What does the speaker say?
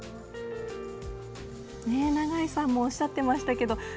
永井さんもおっしゃってましたけど